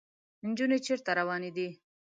انجونې چېرته روانې دي ؟